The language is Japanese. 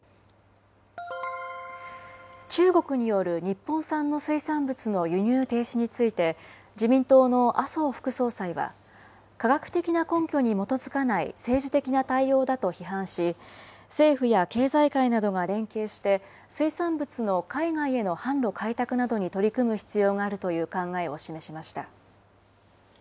中国による日本産の水産物の輸入停止について、自民党の麻生副総裁は、科学的な根拠に基づかない政治的な対応だと批判し、政府や経済界などが連携して、水産物の海外への販路開拓などに取り組む必要があるという考えを示しました。